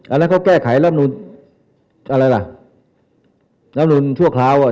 อันนั้นเขาแก้ไขรัฐธรรมนุนอะไรล่ะรัฐธรรมนุนชั่วคราวอ่ะ